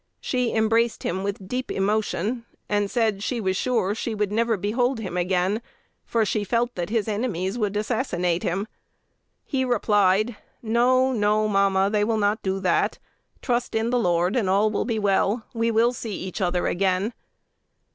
She embraced him with deep emotion, and said she was sure she would never behold him again, for she felt that his enemies would assassinate him. He replied, "No, no, mamma: they will not do that. Trust in the Lord, and all will be well: we will see each other again."